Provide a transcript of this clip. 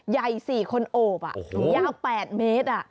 ใย๔คนโอบยาก๘เมตร